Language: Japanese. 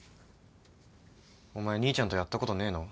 お前兄ちゃんとやったことねえの？